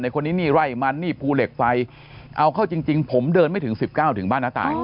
คนนี้นี่ไร่มันนี่ภูเหล็กไฟเอาเข้าจริงผมเดินไม่ถึง๑๙ถึงบ้านน้าตาย